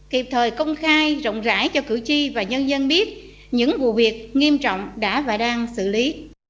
kịp thời công khai rộng rãi cho cử tri và nhân dân biết những vụ việc nghiêm trọng đã và đang xử lý